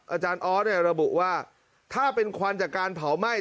อาจารย์ออสระบุว่าถ้าเป็นควันจากการเผาไหม้